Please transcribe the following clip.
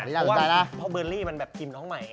เพราะเบอร์นลีมันกลิ่มน้องใหม่